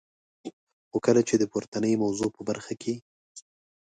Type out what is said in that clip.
خو کله چي د پورتنی موضوع په برخه کي.